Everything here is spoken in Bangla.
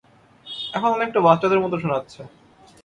এখন অনেকটা বাচ্চাদের মতো শোনাচ্ছে।